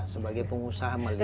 sebagai pengusaha melihat